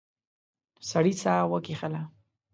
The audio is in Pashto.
سړی ساه وکیښله.